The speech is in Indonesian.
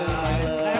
terima kasih udah nonton